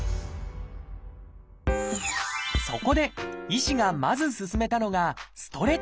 そこで医師がまず勧めたのがストレッチ。